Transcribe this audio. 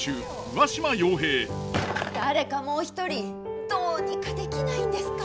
誰かもう一人どうにかできないんですか？